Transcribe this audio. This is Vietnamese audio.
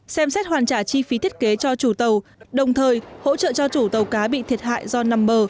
xem xét hoàn trả chi phí thiết kế cho chủ tàu đồng thời hỗ trợ cho chủ tàu cá bị thiệt hại do nằm bờ